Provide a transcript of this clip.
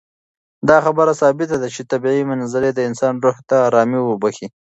دا خبره ثابته ده چې طبیعي منظرې د انسان روح ته ارامي بښي.